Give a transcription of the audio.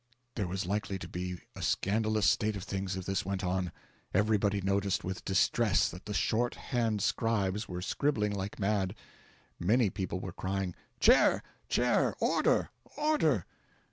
There was likely to be a scandalous state of things if this went on; everybody noticed with distress that the shorthand scribes were scribbling like mad; many people were crying "Chair, chair! Order! order!"